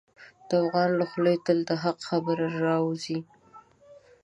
د افغان له خولې تل د حق خبره راوځي.